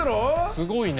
すごいね。